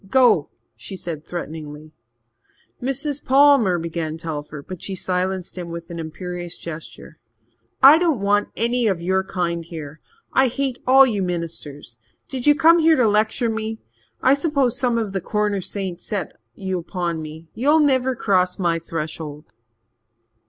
"Go!" she said threateningly. "Mrs. Palmer," began Telford, but she silenced him with an imperious gesture. "I don't want any of your kind here. I hate all you ministers. Did you come here to lecture me? I suppose some of the Corner saints set you on me. You'll never cross my threshold."